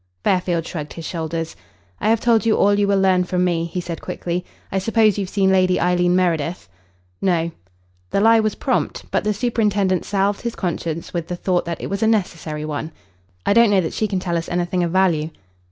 Fairfield shrugged his shoulders. "I have told you all you will learn from me," he said quickly. "I suppose you've seen Lady Eileen Meredith." "No." The lie was prompt, but the superintendent salved his conscience with the thought that it was a necessary one. "I don't know that she can tell us anything of value."